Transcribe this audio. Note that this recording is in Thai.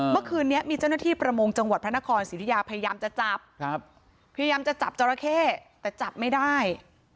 เมื่อคืนนี้มีเจ้าหน้าที่ประมงจังหวัดพระนครศิริยาพยายามจะจับพยายามจะจับจราเข้แต่จับไม่ได้